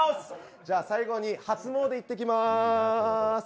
じゃあ、最後に初詣、行ってきます。